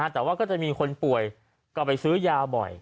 แต่ว่าก็จะมีคนป่วยก็ไปซื้อยาบ่อย